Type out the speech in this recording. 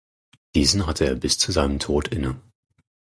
Diesen hatte er bis zu seinem Tod inne.